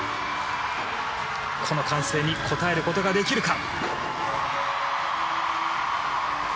この歓声に応えることができるか。